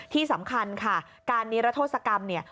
ที่สำคัญค่ะการนิรโทษกรรมเนี่ย